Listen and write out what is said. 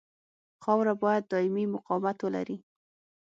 خاوره باید دایمي مقاومت ولري